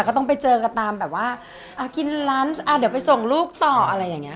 ก็ต้องไปเจอกันตามแบบว่ากินร้านเดี๋ยวไปส่งลูกต่ออะไรอย่างเงี้